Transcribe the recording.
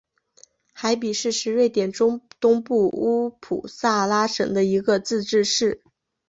海比市是瑞典中东部乌普萨拉省的一个自治市。